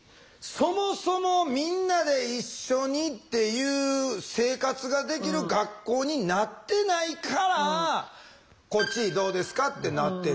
そもそもみんなで一緒にっていう生活ができる学校になってないから「こっちどうですか？」ってなってる。